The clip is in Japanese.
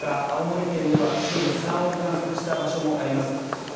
青森県では震度３を観測した場所もあります